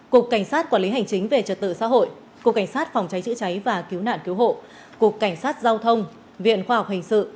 cục cảnh sát quản lý hành chính về trật tự xã hội cục cảnh sát phòng cháy chữa cháy và cứu nạn cứu hộ cục cảnh sát giao thông viện khoa học hình sự